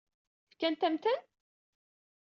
Fkant-am-ten?